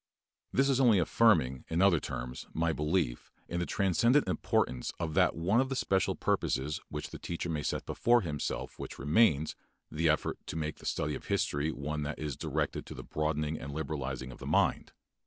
This is only affirming in other terms my belief in the transcendent importance of that one of the special purposes which the teacher may set before himself which remains, the effort to make the study of history one that is directed to the broadening and liberalizing of the mind.